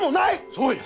そうや！